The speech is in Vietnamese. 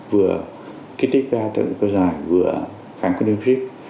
vừa kích thích bsi tác dụng cơ giải vừa kháng cholinergic